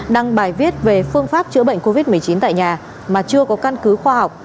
đăng bài viết về phương pháp chữa bệnh covid một mươi chín tại nhà mà chưa có căn cứ khoa học